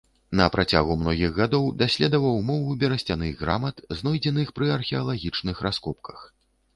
На працягу многіх гадоў даследаваў мову берасцяных грамат, знойдзеных пры археалагічных раскопках.